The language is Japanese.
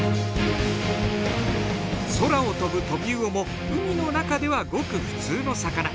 空を飛ぶトビウオも海の中ではごく普通の魚。